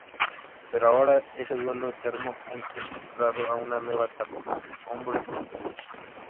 Pero ahora ese duelo eterno ha entrado a una nueva etapa: hombre contra dios.